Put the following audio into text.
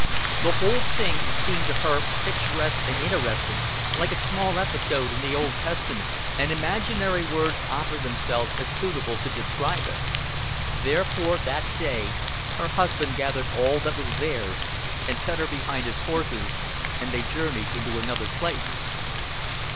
The whole thing seemed to her picturesque and interesting, like a small episode in the Old Testament, and imaginary words offered themselves as suitable to describe it. "Therefore that day her husband gathered all that was theirs, and set her behind his horses and they journeyed into another place."